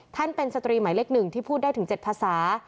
ท่านเป็นสตรีหมายเลข๑ที่พูดได้ถึง๗ภาษา